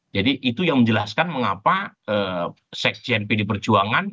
jadi itu yang menjelaskan mengapa sekjen pdip perjuangan